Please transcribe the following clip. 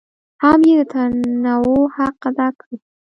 هم یې د تنوع حق ادا کړی.